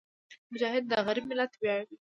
مجاهد د غریب ملت ویاړ وي.